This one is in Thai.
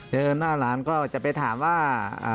เดินหน้าหลานก็จะไปถามว่า